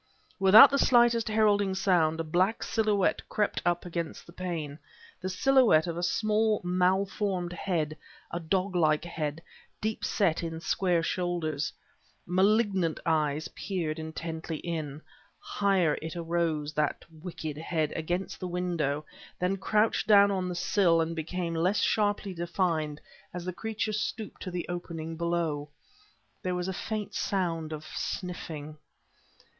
Without the slightest heralding sound a black silhouette crept up against the pane... the silhouette of a small, malformed head, a dog like head, deep set in square shoulders. Malignant eyes peered intently in. Higher it arose that wicked head against the window, then crouched down on the sill and became less sharply defined as the creature stooped to the opening below. There was a faint sound of sniffing.